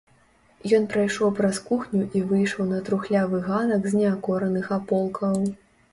Ён прайшоў праз кухню і выйшаў на трухлявы ганак з неакораных аполкаў.